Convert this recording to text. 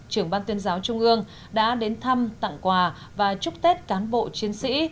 trưởng ban tuyên giáo trung ương đã đến thăm tặng quà và chúc tết cán bộ chiến sĩ